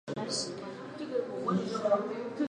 欧法利商学院之名设立的商学院。